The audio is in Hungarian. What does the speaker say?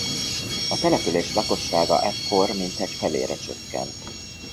A település lakossága ekkor mintegy felére csökkent.